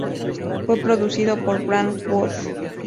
Fue producido por Brad Wood.